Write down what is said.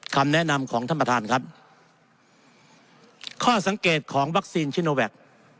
คำแนะนำของท่านประธานครับข้อสังเกตของวัคซีนชิโนแวค